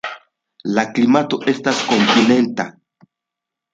La klimato estas kontinenta.